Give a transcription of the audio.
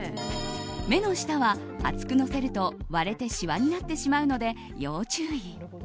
目の下は厚くのせると割れてしわになってしまうので要注意。